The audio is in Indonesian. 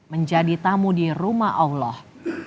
menjadi tamu di rumah allah